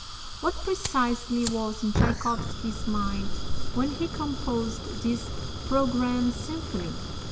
What, precisely, was in Tschaikowsky's mind when he composed this "Programme Symphony"?